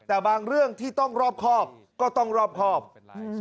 แต่บางเรื่องที่ต้องรอบครอบก็ต้องรอบครอบอืม